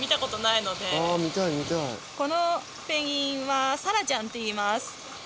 このペンギンは幸楽ちゃんっていいます。